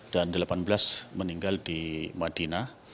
dan delapan belas meninggal di madinah